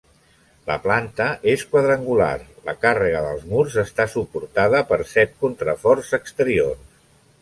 La planta és quadrangular, la càrrega dels murs està suportada per set contraforts exteriors.